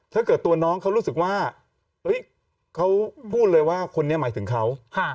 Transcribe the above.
ถ้าเกิดตัวน้องเขารู้สึกว่าเขาพูดเลยว่าคนนี้หมายถึงเขา